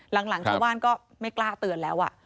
หลังชาวบ้านก็ไม่กล้าเตือนแล้ว